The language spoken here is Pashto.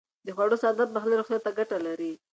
د خوړو ساده پخلی روغتيا ته ګټه لري.